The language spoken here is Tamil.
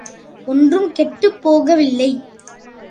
ஒன்றுங் கெட்டுப் போகவில்லை.